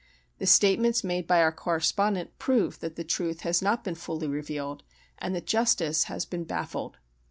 The statements made by our correspondent prove that the truth has not been fully revealed, and that justice has been baffled.